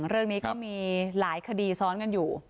เรื่องนี้ก็มีหลายคดีซ้อนกันอยู่